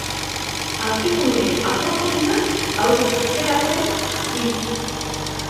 Artikulurik aproposenak aukeratzen ditu.